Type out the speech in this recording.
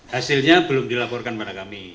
hasilnya belum dilaporkan pada kami